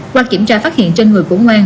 qua kiểm tra phát hiện trên người củ ngoan